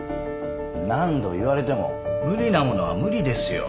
何度言われても無理なものは無理ですよ。